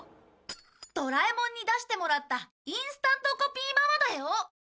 ドラえもんに出してもらったインスタントコピーママだよ！